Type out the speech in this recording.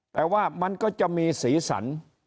แต่ว่ามันก็จะมีสีสัน